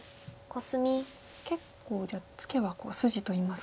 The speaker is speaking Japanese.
結構じゃあツケは筋といいますか。